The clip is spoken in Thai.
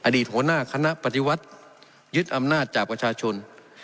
หัวหน้าคณะปฏิวัติยึดอำนาจจากประชาชน